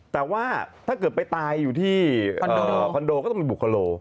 แต่ว่าถ้าเกิดไปตายอยู่ที่คอนโดคอนโดก็ต้องเป็นบุคโล